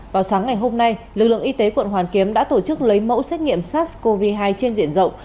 vào sáng ngày hôm nay lực lượng y tế quận hoàn kiếm đã tổ chức lấy mẫu xét nghiệm sars cov hai trên diện rộng